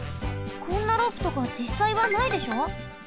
こんなロープとかじっさいはないでしょ？